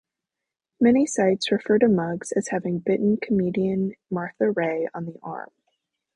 Many sites refer to Muggs as having bitten comedian Martha Raye on the arm.